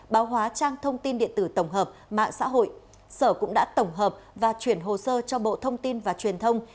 báo hóa trang thông tin điện tử tổng hợp mạng xã hội sở cũng đã tổng hợp và chuyển hồ sơ cho bộ thông tin và truyền thông